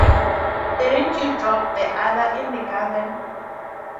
Didn't you drop the other in the garden?